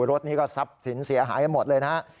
รถนี้ก็ซับสินเสียหายหมดเลยนะฮะ